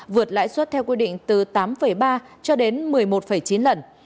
vượt lãi suất theo quy định từ tám ba cho đến một mươi một chín lần